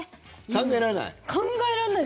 考えられない？